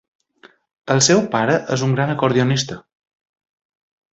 El seu pare és un gran acordionista.